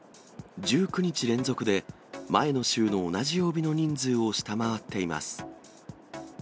１９日連続で、前の週の同じ曜日の人数を下回っています。